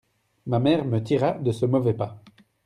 ma mère me tira de ce mauvais pas.